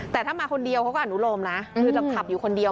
แต่ถ้ามาคนเดียวเขาก็อนุโลมนะคือจะขับอยู่คนเดียว